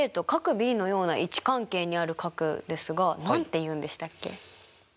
ｂのような位置関係にある角ですが何て言うんでしたっけ？